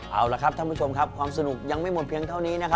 เอาละครับท่านผู้ชมครับความสนุกยังไม่หมดเพียงเท่านี้นะครับ